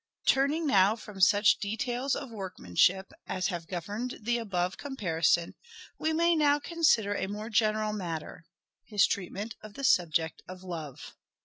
Turning now from such details oi workmanship as Love's have governed the above comparison we may now consider a more general matter : his treatment of the subject of Love.